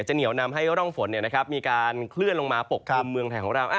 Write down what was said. เหนียวนำให้ร่องฝนมีการเคลื่อนลงมาปกคลุมเมืองไทยของเรา